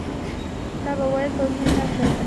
تا به ویل پرون یې کار پای ته رسېدلی.